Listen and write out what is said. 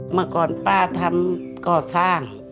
เมื่อก่อนป้าทำก่อสร้าง